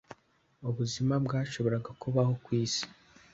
ubuzima byashoboraga kubaho ku isi